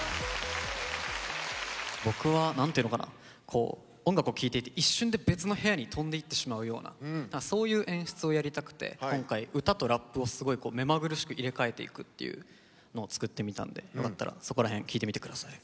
こう音楽を聴いていて一瞬で別の部屋に飛んでいってしまうようなそういう演出をやりたくて今回歌とラップをすごい目まぐるしく入れ替えていくっていうのを作ってみたのでよかったらそこら辺聴いてみてください。